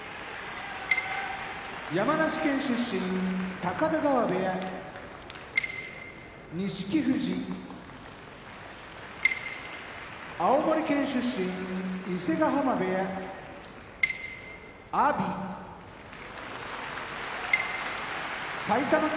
山梨県出身高田川部屋錦富士青森県出身伊勢ヶ濱部屋阿炎埼玉県出身